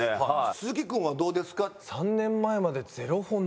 鈴木君はどうですか？